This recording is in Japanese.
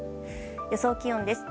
予想気温です。